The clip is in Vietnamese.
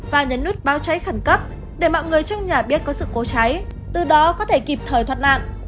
và nhấn nút báo cháy khẩn cấp để mọi người trong nhà biết có sự cố cháy từ đó có thể kịp thời thoát nạn